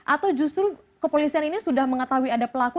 atau justru kepolisian ini sudah mengetahui ada pelaku